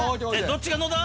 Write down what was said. どっちが野田？